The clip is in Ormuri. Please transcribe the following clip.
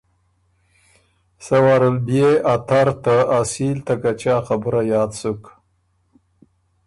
سَۀ وارل بيې ا تر ته اصیل ته کچۀا خبُره یاد سُک۔